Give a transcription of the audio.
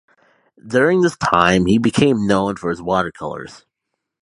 During this time he became known for his water colours.